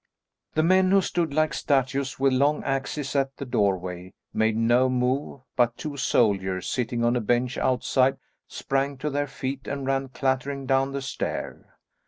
The men, who stood like statues with long axes at the doorway, made no move; but two soldiers, sitting on a bench outside, sprang to their feet and ran clattering down the stair.